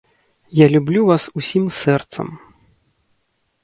Я люблю вас усім сэрцам.